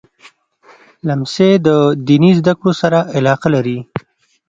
لمسی له دیني زده کړو سره علاقه لري.